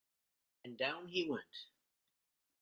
And down he went.